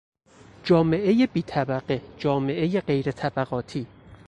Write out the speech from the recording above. جامعهی بی طبقه، جامعهی غیرطبقاتی